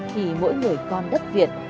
thì mỗi người con đất việt